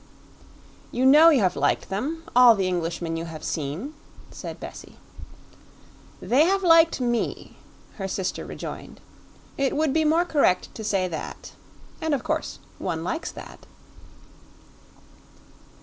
"You know you have liked them all the Englishmen you have seen," said Bessie. "They have liked me," her sister rejoined; "it would be more correct to say that. And, of course, one likes that."